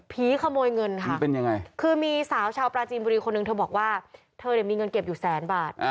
ผีขโมยเงินค่ะคือมีสาวชาวปราจีนบุรีคนนึงเธอบอกว่าเธอจะมีเงินเก็บอยู่แสนบาท